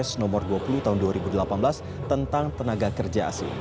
dan dihantukannya perpres nomor dua puluh tahun dua ribu delapan belas tentang tenaga kerja asing